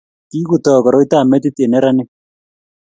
kikutoku koroitab metit eng' neranik